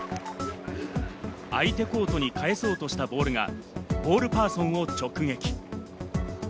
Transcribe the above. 相手コートに返そうとしたボールがボールパーソンを直撃。